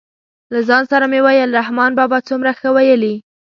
له ځان سره مې ویل رحمان بابا څومره ښه ویلي.